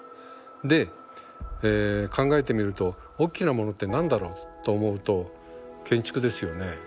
で考えてみるとおっきなものって何だろうと思うと建築ですよね。